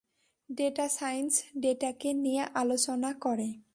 Data science ডেটাকে নিয়ে আলোচনা করে।